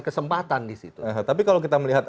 kesempatan disitu tapi kalau kita melihat